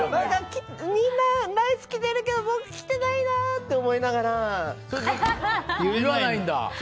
みんなライス来てるけど僕来てないなって言わないんだ？